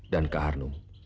dan kak harnum